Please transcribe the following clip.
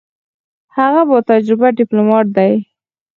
هغه با تجربه ډیپلوماټ دی.